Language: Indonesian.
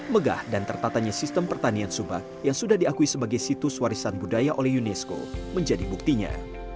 megah dan tertatanya sistem pertanian subak yang sudah diakui sebagai situs warisan budaya oleh unesco menjadi buktinya